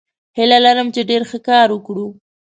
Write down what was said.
هیله لرم چې ډیر ښه کار وکړو.